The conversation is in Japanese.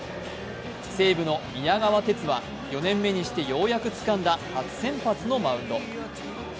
西武の宮川哲は４年目にして、ようやくつかんだ初先発のマウンド。